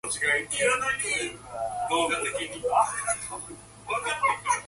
It isn't part of the Queen's function to speak openly.